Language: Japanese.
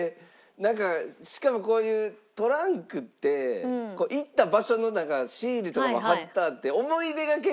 なんかしかもこういうトランクって行った場所のシールとかも貼ってあって。